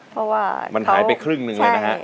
เพราะว่ามันหายไปครึ่งหนึ่งเลยนะฮะ